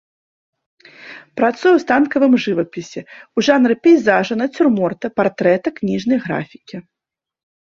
Працуе ў станковым жывапісе, у жанры пейзажа, нацюрморта, партрэта, кніжнай графікі.